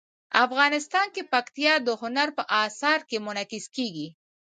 افغانستان کې پکتیا د هنر په اثار کې منعکس کېږي.